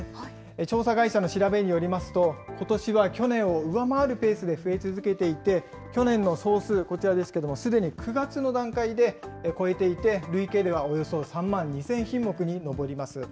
調査会社の調べによりますと、ことしは去年を上回るペースで増え続けていて、去年の総数、こちらですけども、すでに９月の段階で超えていて、累計ではおよそ３万２０００品目に上ります。